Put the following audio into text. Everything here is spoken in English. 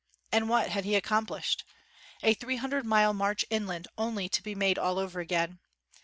And what had he accomplished? A three hun dred mile march inland only to be made all over again